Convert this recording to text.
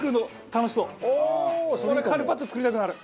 カルパッチョ作りたくなる。